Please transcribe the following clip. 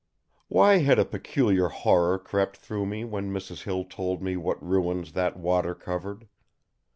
Why had a peculiar horror crept through me when Mrs. Hill told me what ruins that water covered?